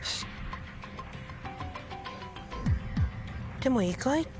でも意外と。